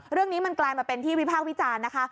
เรื่องนี้มันกลายมาเป็นที่วิพากษ์วิจารณ์นะคะ